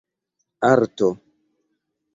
arto